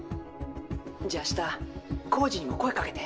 じゃあ明日浩次にも声かけて。